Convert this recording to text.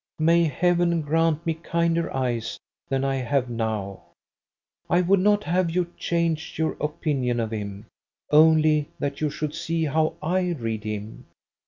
May Heaven grant me kinder eyes than I have now. I would not have you change your opinion of him; only that you should see how I read him.